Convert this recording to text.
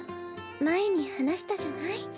前に話したじゃない？